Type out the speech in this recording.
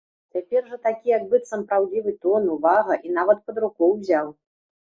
Цяпер жа такі як быццам праўдзівы тон, увага, і нават пад руку ўзяў.